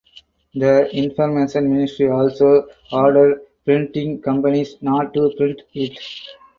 The information ministry also ordered printing companies not to print it.